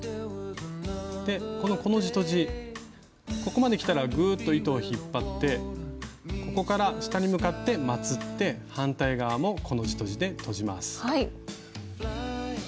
このコの字とじここまできたらぐっと糸を引っ張ってここから下に向かってまつって反対側もコの字とじでとじます。